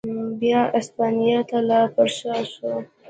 بیا اسپانیا ته را پرشا شو.